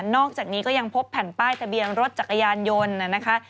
อกจากนี้ก็ยังพบแผ่นป้ายทะเบียนรถจักรยานยนต์นะคะ